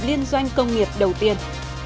liên doanh công nghiệp đầu tiên